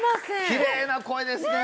きれいな声ですね